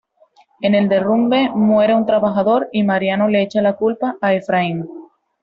En el derrumbe muere un trabajador, y Mariano le echa la culpa a Efraín.